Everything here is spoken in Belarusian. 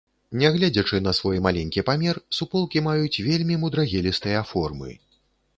Нягледзячы на свой маленькі памер, суполкі маюць вельмі мудрагелістыя формы.